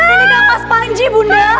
ini tak pas panji bunda